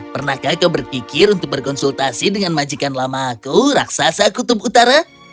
pernahkah kau berpikir untuk berkonsultasi dengan majikan lama aku raksasa kutub utara